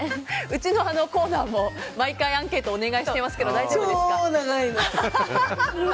うちのコーナーも毎回アンケートをお願いしてますけど超長いの。